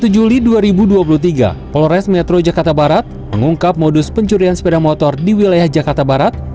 satu juli dua ribu dua puluh tiga polres metro jakarta barat mengungkap modus pencurian sepeda motor di wilayah jakarta barat